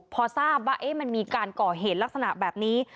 พอทราบว่ามันมีการก่อเหตุลักษณะแบบนี้